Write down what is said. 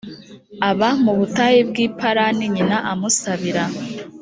aba mu butayu bw i parani nyina amusabira